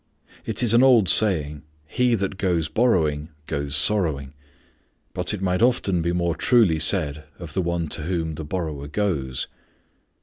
IT is an old saying, "He that goes borrowing goes sorrowing"; but it might often be more truly said of the one to whom the borrower goes.